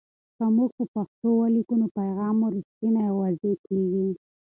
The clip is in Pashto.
که موږ په پښتو ولیکو، نو پیغام مو رښتینی او واضح کېږي.